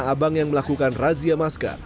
dan tanah abang yang melakukan razia masker